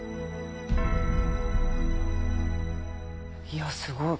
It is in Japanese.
いやすごい。